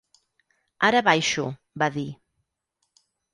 «Ara baixo», va dir.